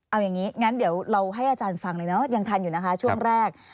เอาอย่างนี้งั้นเดี๋ยวเราให้อาจารย์ฟังเลยเนาะยังทันอยู่นะคะช่วงแรก